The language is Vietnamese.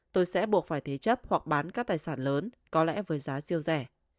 tôi sẽ buộc phải thế chấp hoặc bán các tài sản lớn có lẽ với giá siêu rẻ